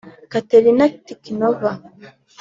Katerina Tikhonova